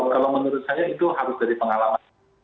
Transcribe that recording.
kalau menurut saya itu harus dari pengalaman